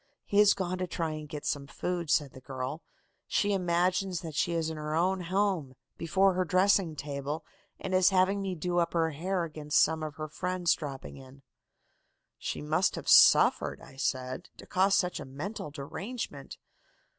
"'He has gone to try to get some food,' said the girl. 'She imagines that she is in her own home, before her dressing table, and is having me do up her hair against some of her friends dropping in.' "'She must have suffered,' I said, 'to cause such a mental derangement.